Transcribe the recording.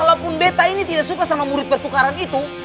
walaupun beta ini tidak suka sama murid pertukaran itu